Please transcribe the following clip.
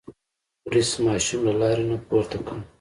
بوریس ماشوم له لارې نه پورته کړ.